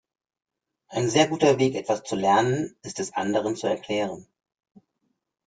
Ein sehr guter Weg, etwas zu lernen, ist es anderen zu erklären.